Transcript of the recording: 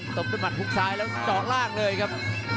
ตบด้วยมันภูมิซ้ายแล้วจอกล่างเลยครับ